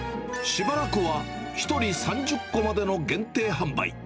しばらくは１人３０個までの限定販売。